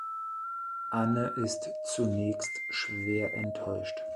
Anne ist zunächst schwer enttäuscht.